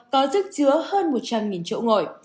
có dứt chứa hơn một trăm linh chỗ ngồi